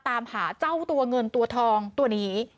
ตามหาเจ้าตัวเงินตัวทองตัวนี้